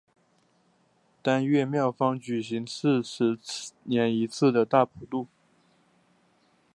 当月庙方举行四十年一次的大普度。